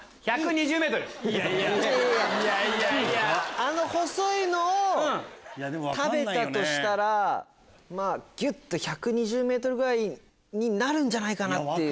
あの細いのを食べたとしたらぎゅっと１２０ｍぐらいになるんじゃないかなっていう。